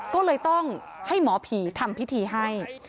ก็เลยต้องให้หมอผีทำพิธีให้